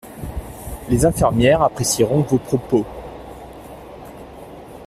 Les infirmières apprécieront vos propos.